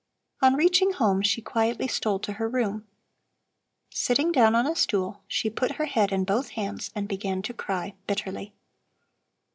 On reaching home she quietly stole to her room. Sitting down on a stool, she put her head in both hands and began to cry bitterly.